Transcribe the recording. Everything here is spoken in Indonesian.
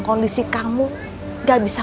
kondisi kamu gak bisa